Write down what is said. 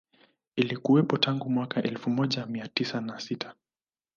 Ilikuwepo tangu mwaka elfu moja mia tisa na sita